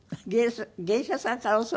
芸者さんから教わったの？